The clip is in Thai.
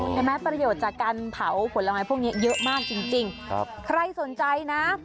เห็นไหมประโยชน์จากการเผาผลไม้พวกนี้เยอะมากจริงใครสนใจนะ